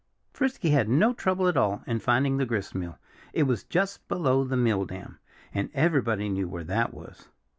Frisky had no trouble at all in finding the gristmill. It was just below the mill dam. And everybody knew where that was.